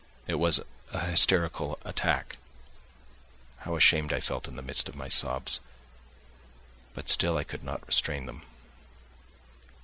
It was an hysterical attack. How ashamed I felt in the midst of my sobs; but still I could not restrain them.